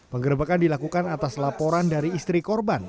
penggerebekan dilakukan atas laporan dari istri korban